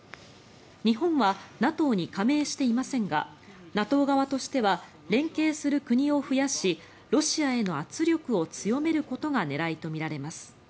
日本はＮＡＴＯに加盟していませんがＮＡＴＯ側としては連携する国を増やしロシアへの圧力を強めることが狙いとみられます。